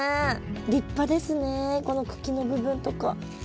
立派ですねこの茎の部分とか。